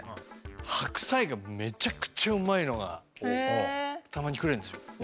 白菜がめちゃくちゃうまいのがたまにくれるんですよ。